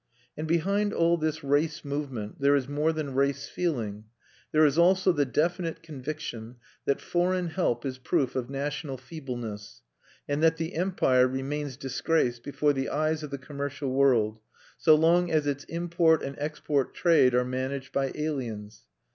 And behind all this race movement there is more than race feeling: there is also the definite conviction that foreign help is proof of national feebleness, and that the Empire remains disgraced before the eyes of the commercial world, so long as its import and export trade are managed by aliens.